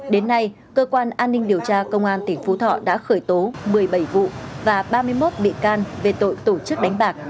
đến nay cơ quan an ninh điều tra công an tỉnh phú thọ đã khởi tố một mươi bảy vụ và ba mươi một bị can về tội tổ chức đánh bạc